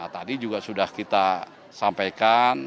tadi juga sudah kita sampaikan